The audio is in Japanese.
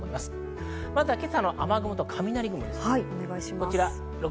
まずは今朝の雨雲と雷雲です。